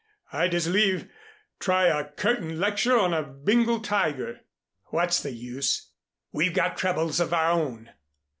I'd as leave try a curtain lecture on a Bengal tiger." "What's the use? We've got troubles of our own."